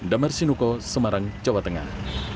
damar sinuko semarang jawa tengah